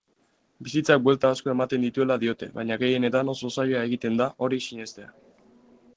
Bizitzak buelta asko ematen dituela diote baina gehienetan oso zaila egiten da hori sinestea.